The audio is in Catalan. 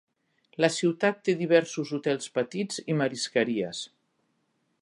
La ciutat té diversos hotels petits i marisqueries.